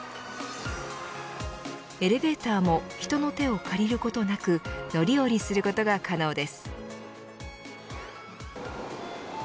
エレベーターも人の手を借りることなく乗り降りすることが可能です。